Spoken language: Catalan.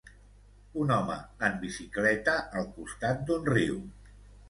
Un home en bicicleta al costat d'un riu.